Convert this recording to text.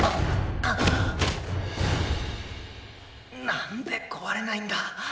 何で壊れないんだ？